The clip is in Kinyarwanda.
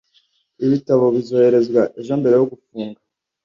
Ibitabo bizoherezwa ejo mbere yo gufunga